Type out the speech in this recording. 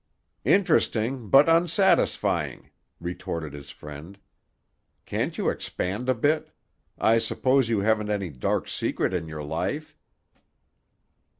"Interesting, but unsatisfying," retorted his friend. "Can't you expand a bit? I suppose you haven't any dark secret in your life?"